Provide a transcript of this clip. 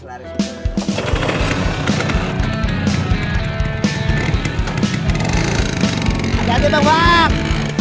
ajarin dong bang